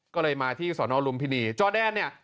ก็เลยมาที่สอนอลุมพินีจอแดนเนี่ย